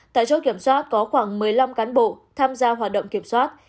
tại chốt kiểm soát có khoảng một mươi năm cán bộ tham gia hoạt động kiểm soát